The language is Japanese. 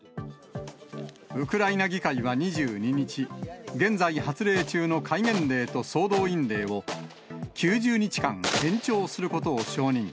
ウクライナ議会は２２日、現在発令中の戒厳令と総動員令を、９０日間延長することを承認。